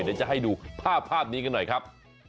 เดี๋ยวจะให้ดูภาพนี้กันหน่อยครับ